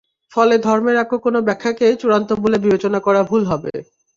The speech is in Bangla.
ফলে ধর্মের একক কোনো ব্যাখ্যাকেই চূড়ান্ত বলে বিবেচনা করা ভুল হবে।